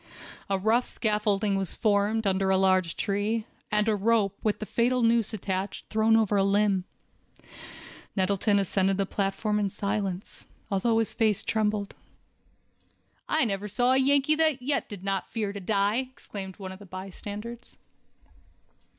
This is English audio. A rough scaffolding was formed, under a large tree, and a rope, with the fatal noose attached, thrown over a limb. Nettleton ascended the platform in silence, although his frame trembled. "I never saw a Yankee yet that did not fear to die," exclaimed one of the bystanders.